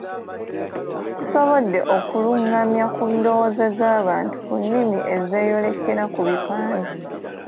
Tusobodde okulungamya ku ndowooza z'abantu ku nnimi ezeeyolekera ku bipande.